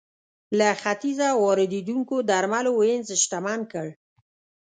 له ختیځه واردېدونکو درملو وینز شتمن کړ.